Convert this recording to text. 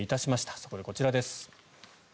そこでこちらです。